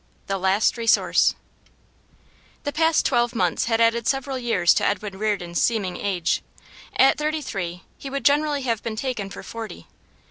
THE LAST RESOURCE The past twelve months had added several years to Edwin Reardon's seeming age; at thirty three he would generally have been taken for forty.